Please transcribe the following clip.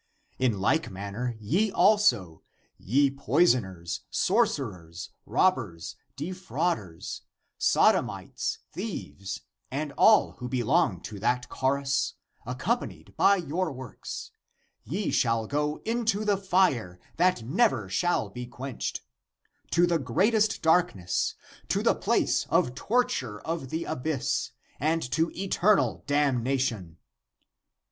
In like manner ye also, ye poisoners, sorcerers, robbers, defrauders, sodomites, thieves, and all who belong to that cho rus, accompanied by your works, ye shall go into the fire that never shall be quenched, to the greatest darkness, to the place of torture of the abyss, and to eternal damnation.